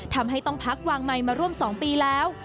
ทำให้ต้องพักวางไมค์มาร่วม๒ปีแล้ว